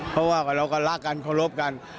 เพราะว่าเราก็รักกันเคารพกัน